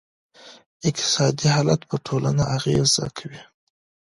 اقتصادي حالت په ټولنه اغېزه کوي.